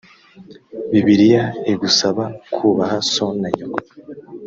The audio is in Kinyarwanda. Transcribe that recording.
bibiliya igusaba kubaha so na nyoko